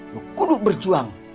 lo kuduk berjuang